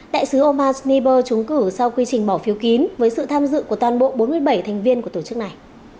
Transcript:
đại sứ omar sniber trúng cử sau quy trình bỏ phiếu kín với sự tham dự của toàn bộ bốn mươi bảy thành viên của tổ chức này